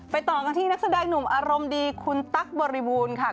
ต่อกันที่นักแสดงหนุ่มอารมณ์ดีคุณตั๊กบริบูรณ์ค่ะ